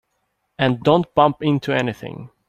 And don't bump into anything.